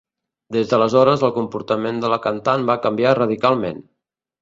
Des d'aleshores el comportament de la cantant va canviar radicalment.